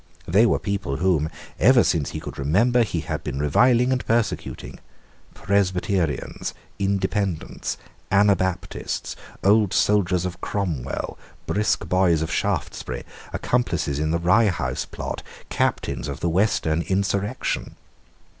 They were people whom, ever since he could remember, he had been reviling and persecuting, Presbyterians, Independents, Anabaptists, old soldiers of Cromwell, brisk boys of Shaftesbury, accomplices in the Rye House Plot, captains of the Western Insurrection.